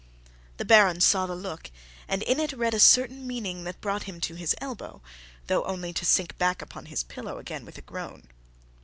The Baron saw the look and in it read a certain meaning that brought him to his elbow, though only to sink back upon his pillow again with a groan.